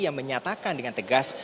yang menyatakan dengan tegas